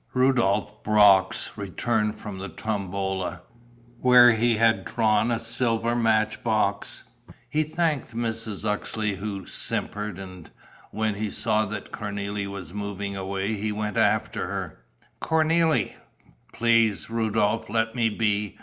Rudolph Brox returned from the tombola, where he had drawn a silver match box. He thanked Mrs. Uxeley, who simpered, and, when he saw that Cornélie was moving away, he went after her: "Cornélie ..." "Please, Rudolph, let me be.